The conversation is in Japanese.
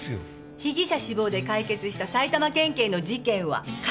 被疑者死亡で解決した埼玉県警の事件は管轄外です。